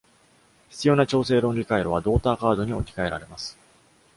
必要な調整論理回路はドーターカードに置き換えられます。